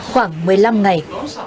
khoảng một mươi năm ngày